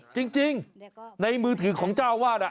จริงในมือถือของเจ้าวาด